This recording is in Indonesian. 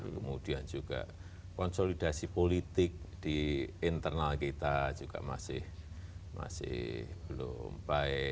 kemudian juga konsolidasi politik di internal kita juga masih belum baik